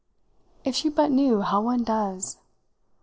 If she but knew how one does!